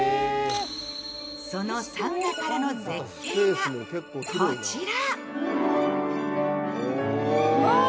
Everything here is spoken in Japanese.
そのサウナからの絶景がこちら。